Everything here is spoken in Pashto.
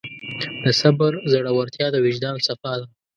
د صبر زړورتیا د وجدان صفا ده.